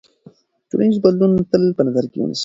ټولنیز بدلونونه تل په نظر کې ونیسئ.